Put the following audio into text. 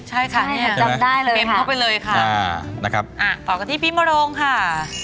ใช่จำได้เลยค่ะเอ็มเข้าไปเลยค่ะต่อกับที่พี่มโรงค่ะ